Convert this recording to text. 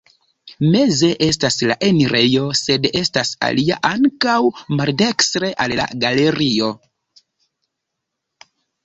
Meze estas la enirejo, sed estas alia ankaŭ maldekstre al la galerio.